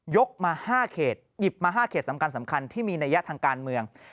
กมา๕เขตหยิบมา๕เขตสำคัญที่มีนัยยะทางการเมือง